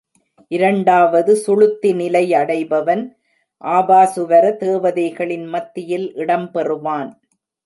இரண்டாவது சுழுத்தி நிலை அடைபவன் ஆபாசுவர தேவதைகளின் மத்தியில் இடம்பெறுவான்.